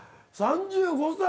３５歳。